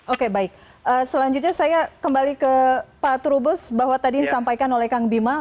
oke baik selanjutnya saya kembali ke pak trubus bahwa tadi disampaikan oleh kang bima